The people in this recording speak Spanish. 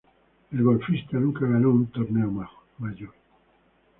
El golfista nunca ganó un torneo major.